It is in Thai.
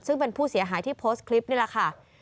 ซึ่งเป็นผู้เสียหายที่โพสต์คลิปนี่แหละค่ะ